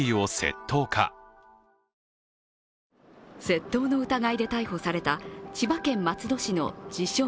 窃盗の疑いで逮捕された千葉県松戸市の自称・